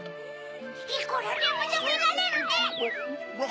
いくらでもたべられるね！